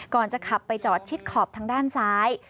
จะขับไปจอดชิดขอบทางด้านซ้าย